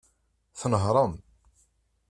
Tnehṛem.